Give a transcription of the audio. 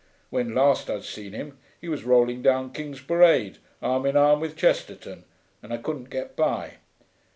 When last I'd seen him he was rolling down King's Parade arm in arm with Chesterton, and I couldn't get by.